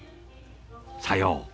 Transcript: さよう。